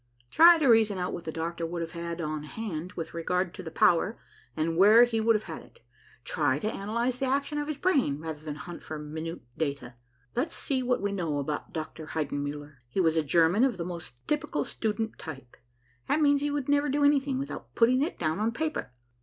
Try to reason out what the doctor would have on hand with regard to the power, and where he would have it. Try to analyze the action of his brain, rather than hunt for minute data. Let's see what we know about Dr. Heidenmuller. He was a German of the most typical student type. That means he would never do anything without putting it down on paper.